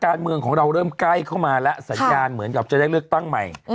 การเมืองของเราเริ่มใกล้เข้ามาแล้วสัญญาณเหมือนกับจะได้เลือกตั้งใหม่